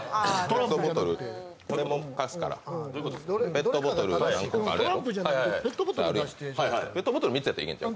ペットボトル何本かあるやろ。